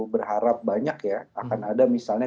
berharap banyak ya akan ada misalnya